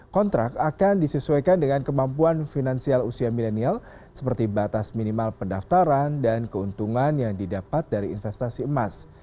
kontrak akan disesuaikan dengan kemampuan finansial usia milenial seperti batas minimal pendaftaran dan keuntungan yang didapat dari investasi emas